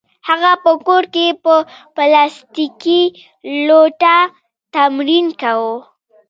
هغه په کور کې په پلاستیکي لوټه تمرین کاوه